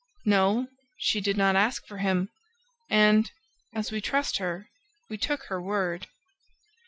"No, she did not ask for him; and, as we trust her, we took her word."